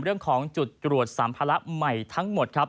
เรื่องของจุดตรวจสัมภาระใหม่ทั้งหมดครับ